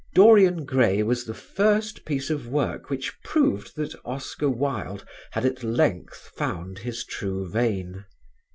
"Dorian Gray" was the first piece of work which proved that Oscar Wilde had at length found his true vein.